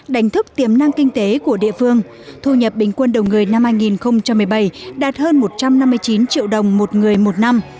đánh thức tiềm năng kinh tế của địa phương thu nhập bình quân đầu người năm hai nghìn một mươi bảy đạt hơn một trăm năm mươi chín triệu đồng một người một năm